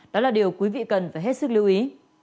đó là điều quý vị cần phải hết sức lưu ý